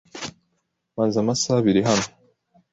Maze amasaha abiri hano.